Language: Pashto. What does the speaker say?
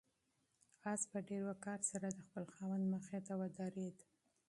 آس په ډېر وقار سره د خپل خاوند مخې ته ودرېد.